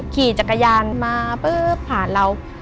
ขี่จักรยานมาปุ๊บผ่านเรา